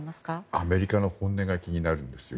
アメリカの本音が気になるんですよ。